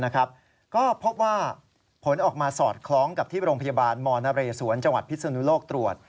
ก็พบว่าผลออกมาสอดคล้องกับที่โรงพยาบาลมนเรศวรจังหวัดพิศนุโลกตรวจ